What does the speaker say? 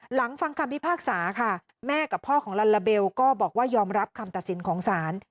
ฟังคำพิพากษาค่ะแม่กับพ่อของลัลลาเบลก็บอกว่ายอมรับคำตัดสินของศาล